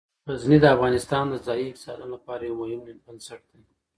غزني د افغانستان د ځایي اقتصادونو لپاره یو مهم بنسټ دی.